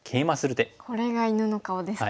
これが犬の顔ですか。